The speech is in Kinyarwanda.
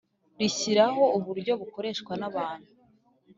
rishyiraho uburyo bukoreshwa na abantu